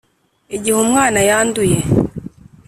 igihe umwana yanduye,